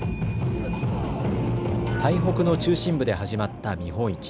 台北の中心部で始まった見本市。